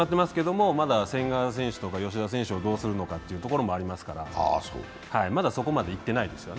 まだ千賀選手や吉田選手をどうするのかというところもありますから、まだそこまでいっていないですよね。